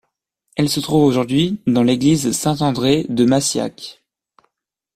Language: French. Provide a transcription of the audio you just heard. Elle se trouve aujourd’hui dans l’église Saint-André de Massiac.